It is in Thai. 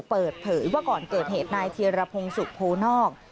เปิดเผยว่าก่อนเกิดเหตุนายเทียรพงศุโพนอก